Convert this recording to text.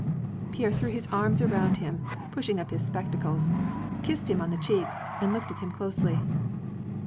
Pierre threw his arms around him, pushing up his specta cles, kissed him on the cheeks, and looked at him closely.